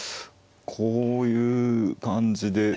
こういう感じで。